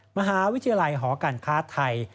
มหาวิทยาลัยหอการค้าไทย